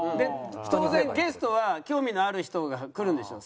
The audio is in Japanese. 当然ゲストは興味のある人が来るんでしょ